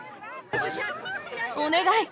お願い。